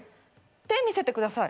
手見せてください。